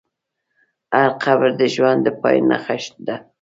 هر قبر د ژوند د پای نښه ده.